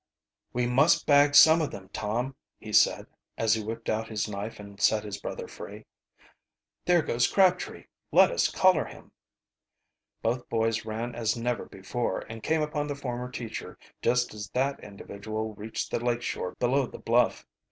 "We must bag some of them, Tom," he said, as he whipped out his knife and set his brother free. "There goes Crabtree let us collar him." Both boys ran as never before, and came upon the former teacher just as that individual reached the lake shore below the bluff.